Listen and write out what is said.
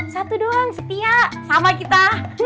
satu doang setia sama kita